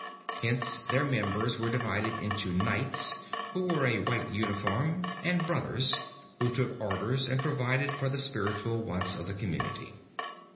Hence their members were divided into Knights who wore a white uniform, and Brothers, who took orders and provided for the spiritual wants of the community.